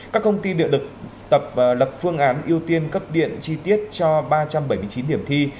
các công ty điện lực tập lập phương án ưu tiên cấp điện chi tiết cho ba trăm bảy mươi chín điểm thi